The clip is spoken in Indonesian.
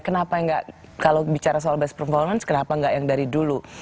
kenapa enggak kalau bicara soal best performance kenapa nggak yang dari dulu